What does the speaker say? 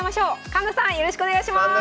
環那さんよろしくお願いします。